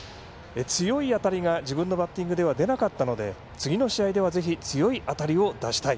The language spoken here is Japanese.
強い当たりが自分のバッティングでは出なかったので次の試合ではぜひ強い当たりを出したい。